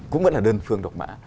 cũng vẫn là đơn phương độc mã